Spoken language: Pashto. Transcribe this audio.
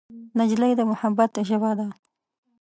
نجلۍ د محبت ژبه ده.